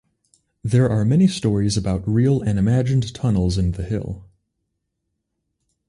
There are many stories about real and imagined tunnels in the hill.